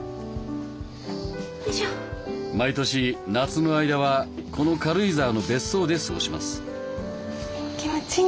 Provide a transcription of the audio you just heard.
毎年夏の間はこの軽井沢の別荘で過ごします。